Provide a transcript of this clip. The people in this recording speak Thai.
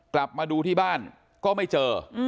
กลับมาดูที่บ้านก็ไม่เจอ